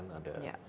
yang ada sampah